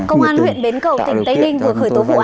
công an huyện bến cầu tỉnh tây ninh vừa khởi tố vụ án